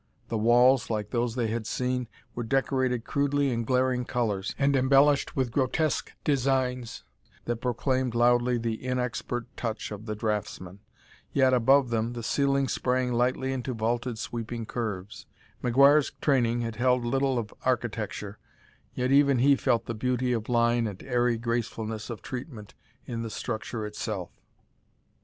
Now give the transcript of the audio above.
The walls, like those they had seen, were decorated crudely in glaring colors, and embellished with grotesque designs that proclaimed loudly the inexpert touch of the draughtsman. Yet, above them, the ceiling sprang lightly into vaulted, sweeping curves. McGuire's training had held little of architecture, yet even he felt the beauty of line and airy gracefulness of treatment in the structure itself.